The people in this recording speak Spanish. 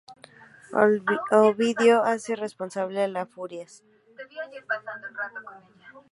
Ovidio hace responsable a la Furias.